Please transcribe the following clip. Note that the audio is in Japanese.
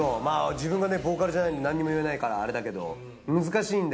自分がボーカルじゃないんで何にも言えないからあれだけど難しいんだ